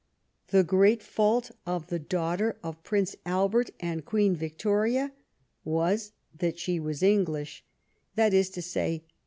The great fault of the daughter of Prince Albert and Queen Victoria was that she was English, that is to say.